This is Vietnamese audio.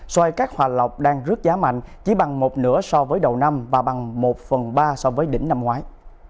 xoay cát hòa lọc đang rước giá mạnh chỉ bằng một nửa so với đầu năm và bằng một phần ba so với đỉnh năm ngoái